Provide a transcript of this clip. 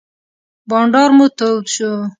بانډار مو تود شو.